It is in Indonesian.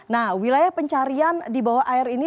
nah wilayah pencarian di bawah air ini